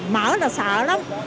mở là sợ lắm